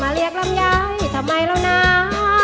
เรียกลำไยทำไมแล้วนะ